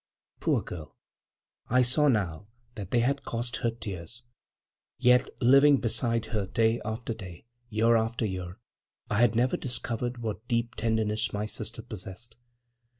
Poor girl! I saw now that they had cost her tears. Yet, living beside her day after day, year after year, I had never discovered what deep tenderness my sister possessed.